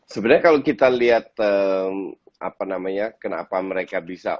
sebenarnya kalau kita lihat apa namanya kenapa mereka bisa